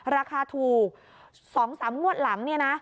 ราคาถูก๒๓งวดหลังเนี่ยนะ